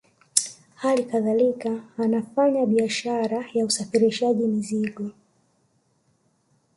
Hali kadhalika anafanya biashara ya usafirishaji mizigo